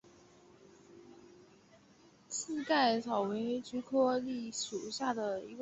刺盖草为菊科蓟属下的一个种。